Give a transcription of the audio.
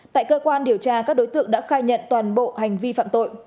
tại cơ quan điều tra các đối tượng đã khai nhận toàn bộ hành vi phạm tội